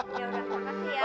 yaudah makasih ya